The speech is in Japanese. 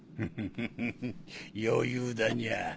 フフフフ余裕だにゃ。